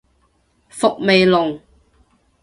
伏味濃